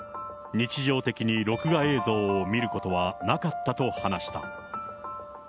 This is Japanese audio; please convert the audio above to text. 日常的に録画映像を見ることはなかったと話した。